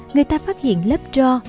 người ta phát hiện lớp ro